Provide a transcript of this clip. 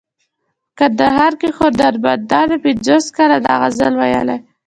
په کندهار کې هنرمندانو پنځوس کاله دا غزل ویلی.